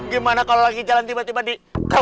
gimana kalau lagi jalan tiba tiba di